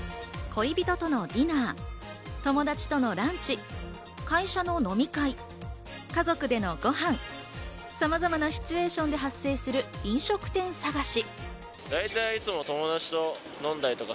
恋人とのディナー、友達とのランチ、会社の飲み会、家族でのご飯、さまざまなシチュエーションで発生する飲食店探し。